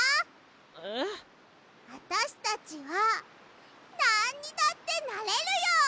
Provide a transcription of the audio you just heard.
あたしたちはなんにだってなれるよ！